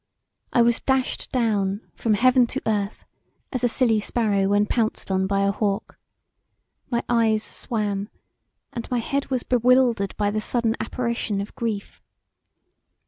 I was dashed down from heaven to earth as a silly sparrow when pounced on by a hawk; my eyes swam and my head was bewildered by the sudden apparition of grief.